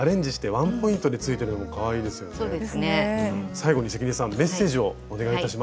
最後に関根さんメッセージをお願いいたします。